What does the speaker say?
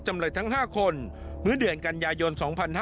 จำเลยทั้ง๕คนเมื่อเดือนกันยายน๒๕๕๙